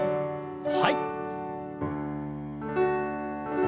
はい。